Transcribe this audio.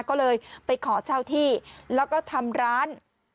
ก็เลยไปขอเช่าที่แล้วก็ทำร้าน